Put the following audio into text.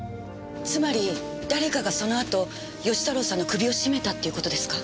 つまり誰かがそのあと義太郎さんの首を絞めたっていう事ですか？